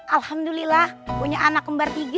alhamdulillah punya anak kembar tiga